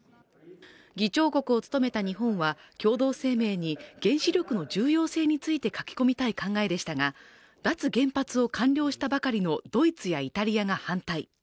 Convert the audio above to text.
議長国を務めた日本は共同声明に原子力の重要性について書き込みたい考えでしたが、脱原発を完了したばかりのドイツやイタリアが反対。